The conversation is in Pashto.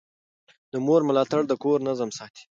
د مور ملاتړ د کور نظم ساتي.